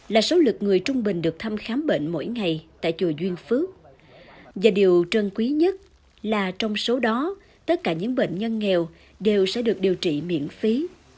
là số lực người trung bình được thăm khám bệnh mỗi ngày tại chùa duyên phước và điều trân quý nhất là trong số đó tất cả những bệnh nhân nghèo đều sẽ được điều trị miễn phí